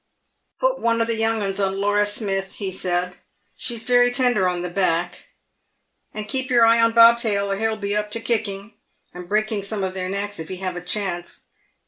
"Put one o' the young 'uns on Laura Smith," he said, "she's very tender on the back ; and keep your eye on Bobtail, or he'll be up to kicking, and breaking some of their necks, if he have a chance.